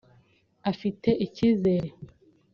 afite icyizere